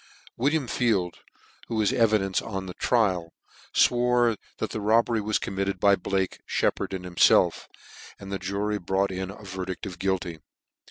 William Field, who was evidence on the trial, fwore that the robbery was committed by Blake, Sheppard, and.himfclf: and the jury brought in a verdict of guilty.